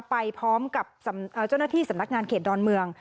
ไปพร้อมกับเจ้าหน้าที่สำนักงานเขตดอนเมือง